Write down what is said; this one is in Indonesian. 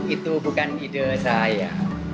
itu bukan ide saya